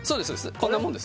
こんなもんです。